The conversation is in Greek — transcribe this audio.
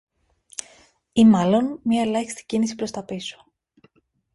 Ή μάλλον μια ελάχιστη κίνηση προς τα πίσω